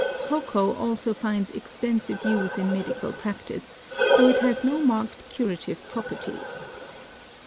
Cocoa also finds extensive use in medical practice, though it has no marked curative properties.